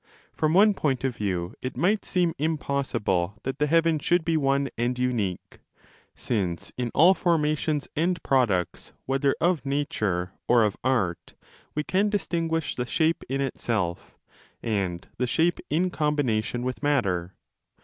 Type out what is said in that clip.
From 3c one point of view it might seem impossible that the heaven should be one and unique,' since in all formations and products whether of nature or of art we can distinguish the shape in itself and the shape in combination with matter.